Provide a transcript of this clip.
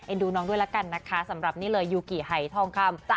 ดูน้องด้วยละกันนะคะสำหรับนี่เลยยูกิหายทองคำ